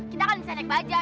kita kan bisa naik baja